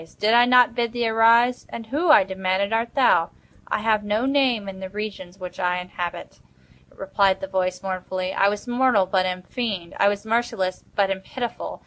did I not bid thee arise?" "And who," I demanded, "art thou?" "I have no name in the regions which I inhabit," replied the voice, mournfully; "I was mortal, but am fiend. I was merciless, but am pitiful.